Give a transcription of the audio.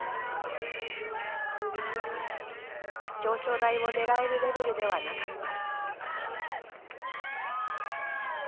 表彰台を狙えるレベルではなかった。